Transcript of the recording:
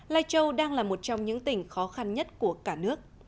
lai châu đang là một trong những tỉnh khó khăn nhất của cả nước